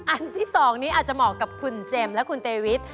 อันที่๒นี้อาจจะเหมาะกับคุณเจมส์และคุณเตวิท